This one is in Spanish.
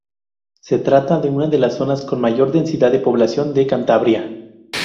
Se trata de una de las zonas con mayor densidad de población de Cantabria.